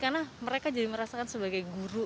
karena mereka jadi merasakan sebagai guru